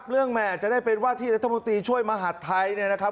เรื่องแหมจะได้เป็นว่าที่รัฐมนตรีช่วยมหัฐไทยนะครับ